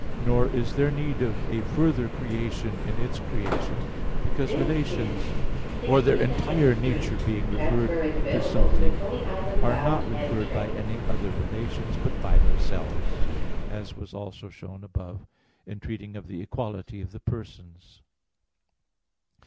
Nor is there need of a further creation in its creation; because relations, or their entire nature being referred to something, are not referred by any other relations, but by themselves; as was also shown above (Q. 42, A. 1, ad 4), in treating of the equality of the Persons.